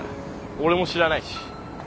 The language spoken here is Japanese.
俺も知らないし。